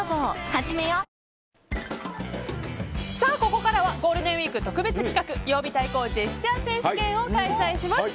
ここからはゴールデンウィーク特別企画曜日対抗ジェスチャー選手権を開催します。